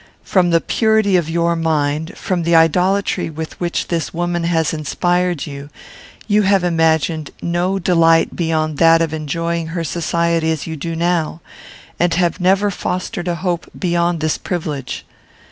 From the purity of your mind, from the idolatry with which this woman has inspired you, you have imagined no delight beyond that of enjoying her society as you now do, and have never fostered a hope beyond this privilege.